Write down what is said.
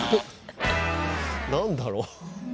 何だろう。